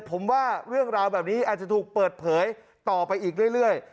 ผมว่าเรื่องราวแบบนี้อาจจะถูกเปิดเผยต่อไปอีกเรื่อย